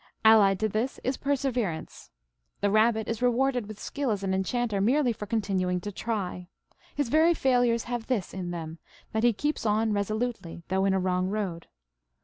Allied to this is perseverance. The Eabbit is rewarded with skill as an enchanter merely for continuing to try. His very failures have this in them, that he keeps on res olutely, though in a wrong road.